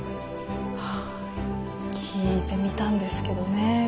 あ聴いてみたんですけどね